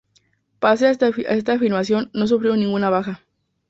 Pese a esta afirmación, no sufrieron ninguna baja.